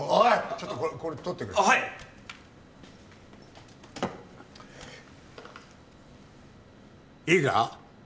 ちょっとこれ取ってくれはいいいか？